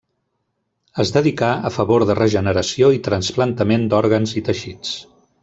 Es dedicà a favor de regeneració i trasplantament d'òrgans i teixits.